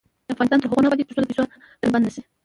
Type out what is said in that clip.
افغانستان تر هغو نه ابادیږي، ترڅو د پیسو مینځل بند نشي.